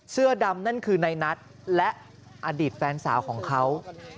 เสื้อดำนั่นคือในนัทและอดีตแฟนสาวของเขา